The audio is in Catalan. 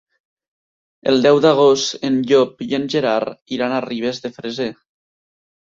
El deu d'agost en Llop i en Gerard iran a Ribes de Freser.